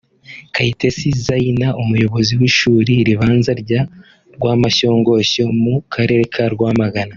Kayitesi Zaina umuyobozi w’ishuri ribanza rya Rwamashyongoshyo mu Karere ka Rwamagana